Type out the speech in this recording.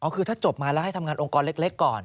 คือถ้าจบมาแล้วให้ทำงานองค์กรเล็กก่อน